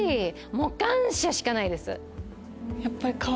もう感謝しかないです。